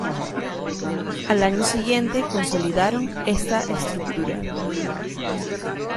Al año siguiente consolidaron esta estructura.